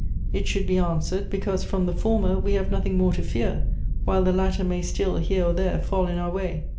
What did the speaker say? It should be answered, becausa from the former we have nothing more to fear, while the latter may still, here or there, fall in our way.